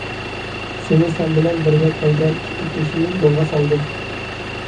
سېنى سەن بىلەن بىرگە كەلگەن ئىككى كىشى يولغا سالىدۇ.